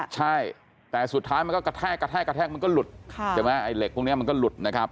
ใช่แต่สุดท้ายมันก็กระแทกกระแทกกระแทกมันก็หลุดใช่ไหมไอ้เหล็กพวกนี้มันก็หลุดนะครับ